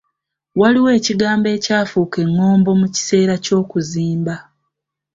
Waliwo ekigambo ekyafuuka eŋŋombo mu kiseera ky’okuzimba.